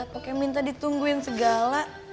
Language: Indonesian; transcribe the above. pokoknya minta ditungguin segala